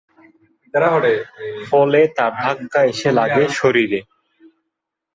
ফলে তার ধাক্কা এসে লাগে শরীরে।